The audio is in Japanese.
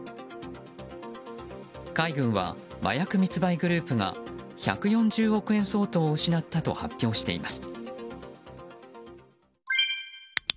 海軍は、麻薬密売グループが１４０億円相当を失ったと発表しています。